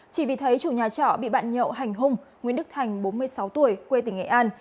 chỉ vì thấy chủ nhà trọ bị bạn nhậu hành hung nguyễn đức thành bốn mươi sáu tuổi quê tỉnh nghệ an